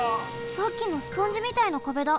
さっきのスポンジみたいな壁だ。